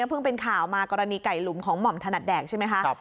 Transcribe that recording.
เพิ่งเป็นข่าวมากรณีไก่หลุมของหม่อมถนัดแดกใช่ไหมคะ